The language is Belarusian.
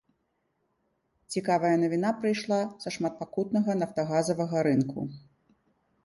Цікавая навіна прыйшла са шматпакутнага нафтагазавага рынку.